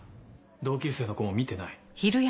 同級生の子も見てない。